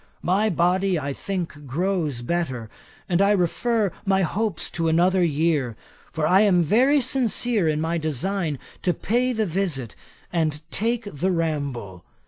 My body, I think, grows better, and I refer my hopes to another year; for I am very sincere in my design to pay the visit, and take the ramble.